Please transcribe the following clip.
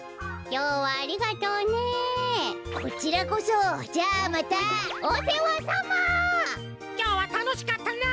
きょうはたのしかったな！